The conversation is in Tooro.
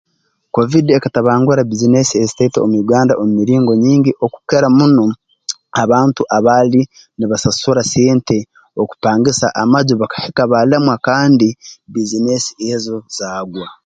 Kovidi ekatabangura bbiizinesi ezitaito omu Uganda omu miringo nyingi okukira muno abantu abaali nibasasura sente okupangisa amaju bakahika baalemwa kandi bbiizinesi ezo zaagwa